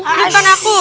jangan ikutkan aku